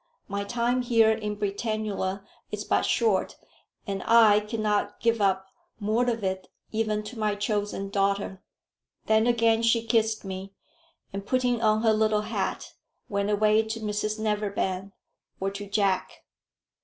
My time here in Britannula is but short, and I cannot give up more of it even to my chosen daughter." Then again she kissed me, and putting on her little hat, went away to Mrs Neverbend, or to Jack.